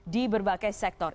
di berbagai sektor